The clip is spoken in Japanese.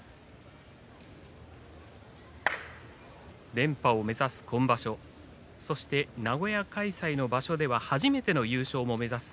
連覇を目指す今場所そして名古屋開催の場所では初めての優勝も目指す